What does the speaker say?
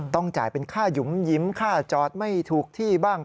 ต้องจ่ายเป็นค่าหยุมหิมค่าจอดไม่ถูกที่บ้าง